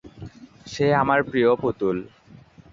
সে আমার প্রিয় পুতুল।